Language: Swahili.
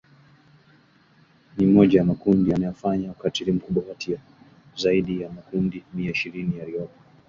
ni mmoja ya makundi yanayofanya ukatili mkubwa kati ya zaidi ya makundi mia ishirini yaliyopo